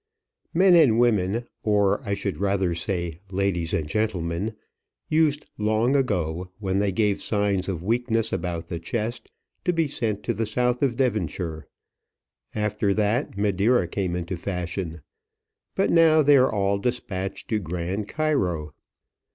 Men and women, or I should rather say ladies and gentlemen, used long ago, when they gave signs of weakness about the chest, to be sent to the south of Devonshire; after that, Madeira came into fashion; but now they are all despatched to Grand Cairo.